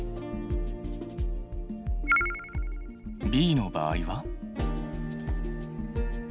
Ｂの場合は。